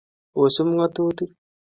Osub ng'atutik.